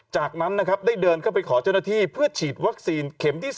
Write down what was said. จากนั้นนะครับได้เดินเข้าไปขอเจ้าหน้าที่เพื่อฉีดวัคซีนเข็มที่๒